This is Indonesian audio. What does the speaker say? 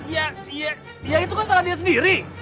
iya ya itu kan salah dia sendiri